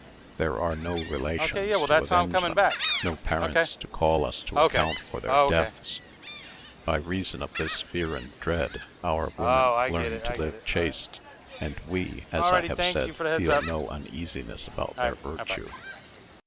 There are no relations to avenge them, no parents to call us to account for their deaths. By reason of this fear and dread, our women learn to live chaste; and we, as I have said, feel no uneasiness about their virtue.